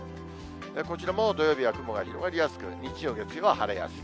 こちらも土曜日は雲が広がりやすく、日曜月曜は晴れやすい。